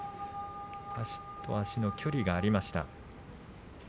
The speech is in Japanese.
足と足の距離がありました。